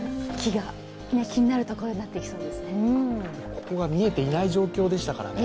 ここが見えていない状況でしたからね。